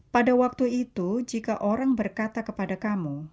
pada waktu itu jika orang berkata kepada kamu